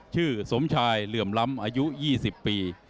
สมชายเหลื่อมล้ำอายุ๒๐ปี